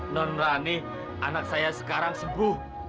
non rani anak saya sekarang sembuh